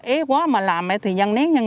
ê quá mà làm thì dân nến